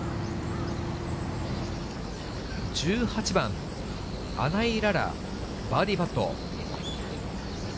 １８番、穴井詩、バーディーパット。